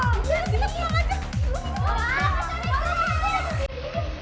aduh biar gak stop dong kita pulang aja yuk